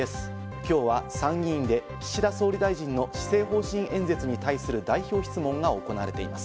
今日は参議院で岸田総理大臣の施政方針演説に対する代表質問が行われています。